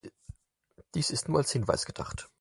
Dies ist nur als Hinweis gedacht.